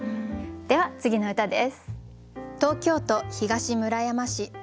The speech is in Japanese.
では次の歌です。